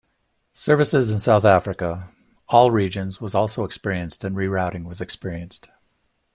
Services in South Africa, all regions was also experienced and rerouting was experienced.